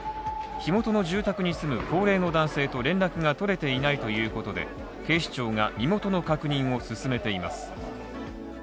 火元の住宅に住む高齢の男性と連絡が取れていないということで、警視庁が身元の確認を進めています。